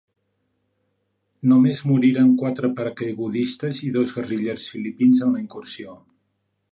Només moriren quatre paracaigudistes i dos guerrillers filipins en la incursió.